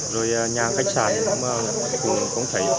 rồi nhà khách sạn cũng thấy